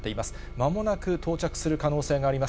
まもなく到着する可能性があります。